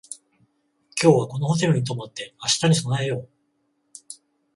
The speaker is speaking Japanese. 今日はこのホテルに泊まって明日に備えよう